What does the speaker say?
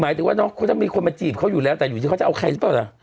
หมายถึงว่าเนอะก็จะมีคนมาจีบเขาอยู่แล้วแต่อยู่ที่เขาจะเอาใครรึเปล่าล่ะ